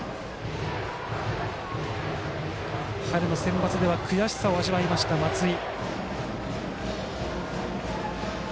春のセンバツでは悔しさを味わいました、松井。